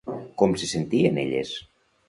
Com se sentien elles?